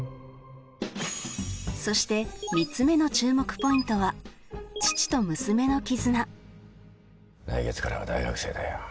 そして３つ目の注目ポイントは来月からは大学生だよ